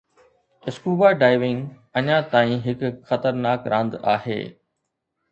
scuba diving اڃا تائين هڪ خطرناڪ راند آهي